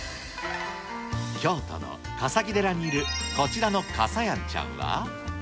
京都の笠置寺にいるこちらの笠やんちゃんは。